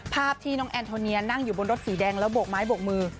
ภาพที่น้องแอนโทเนียนั่งอยู่บนรถสีแดงแล้วโบกไม้โบกมือ